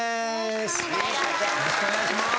よろしくお願いします。